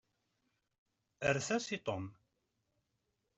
Erret-as i Tom.